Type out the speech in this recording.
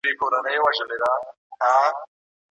معياري ژبه د ولسي ژبې پراخه بڼه ده.